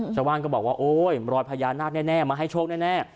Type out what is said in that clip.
ชาวบ้านก็บอกว่าโอ๊ยรอยพญานาคแน่มาให้โชคแน่